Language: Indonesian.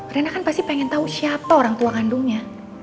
rina kan pasti pengen tau siapa orang tua kandungnya